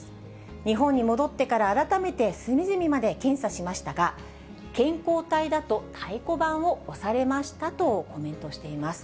日本に戻ってから改めて隅々まで検査しましたが、健康体だと太鼓判を押されましたとコメントしています。